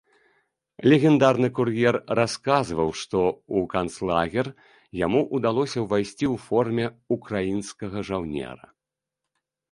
Легендарны кур'ер расказваў, што ў канцлагер яму ўдалося ўвайсці ў форме ўкраінскага жаўнера.